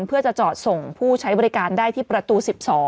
เพื่อจะจอดส่งผู้ใช้บริการได้ที่ประตู๑๒